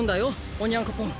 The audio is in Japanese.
オニャンコポン。